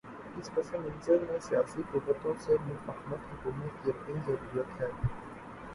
اس پس منظر میں سیاسی قوتوں سے مفاہمت حکومت کی اپنی ضرورت ہے۔